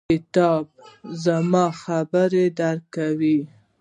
• کتاب د زمانې خبرې درکوي.